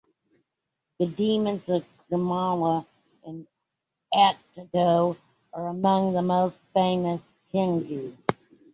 The demons of Kurama and Atago are among the most famous "tengu".